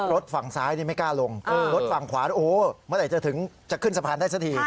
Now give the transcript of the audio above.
รถฝั่งซ้ายก็กล้าลงรถฝั่งขวานล่ะเมื่อไหนจะขึ้นสะพานได้สักที